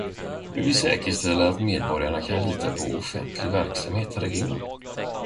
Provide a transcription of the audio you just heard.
Vi vill säkerställa att medborgarna kan lita på offentlig verksamhet i regionen.